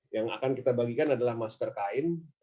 yang akan kita bagikan adalah masker kain